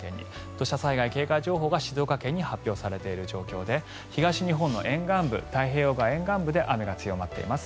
土砂災害警戒情報が静岡県に発表されている状況で東日本の沿岸部太平洋側沿岸部で雨が強まっています。